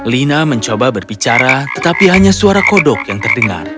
lina mencoba berbicara tetapi hanya suara kodok yang terdengar